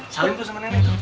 salim tuh sama nenek tuh